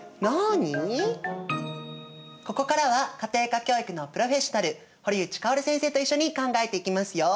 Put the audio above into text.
ここからは家庭科教育のプロフェッショナル堀内かおる先生と一緒に考えていきますよ。